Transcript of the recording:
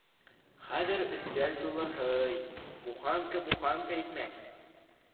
Хәҙер өҫтәл тулы һый, буханка-буханка икмәк.